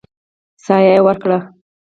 سا يې ورکړه.